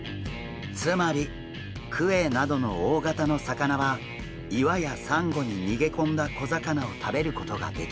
つまりクエなどの大型の魚は岩やサンゴに逃げ込んだ小魚を食べることができません。